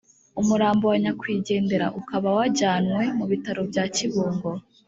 Umurambo wa nyakwigendera ukaba wajyanwe mu bitaro bya Kibungo